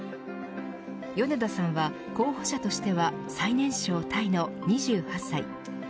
米田さんは候補者としては最年少タイの２８歳。